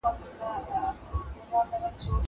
زه پرون سفر کوم.